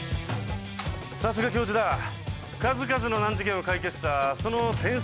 さすが教授だ数々の難事件を解決したその天才的な頭脳で